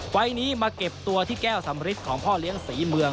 ไฟล์นี้มาเก็บตัวที่แก้วสำริทของพ่อเลี้ยงศรีเมือง